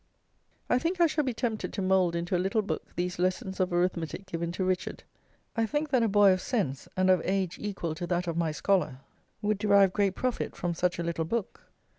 I think I shall be tempted to mould into a little book these lessons of arithmetic given to Richard. I think that a boy of sense, and of age equal to that of my scholar, would derive great profit from such a little book.